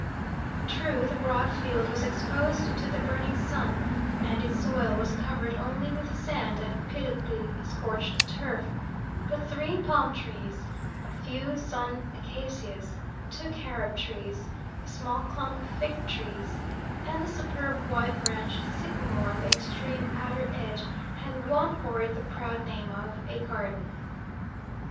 True, the broad field was exposed to the burning sun, and its soil was covered only with sand and pitiably scorched turf, but three palm trees, a few sunt acacias, two carob trees, a small clump of fig trees, and the superb, wide branched sycamore on the extreme outer edge had won for it the proud name of a "garden."